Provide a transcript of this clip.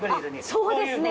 そうですね。